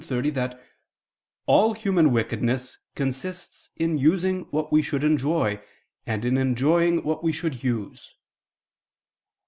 30) that "all human wickedness consists in using what we should enjoy, and in enjoying what we should use."